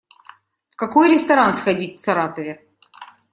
В какой ресторан сходить в Саратове?